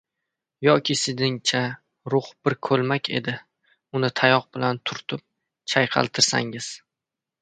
Yoki sizningcha, ruh bir ko‘lmakmi edi, uni tayoq bilan turtib, chayqaltirsangiz?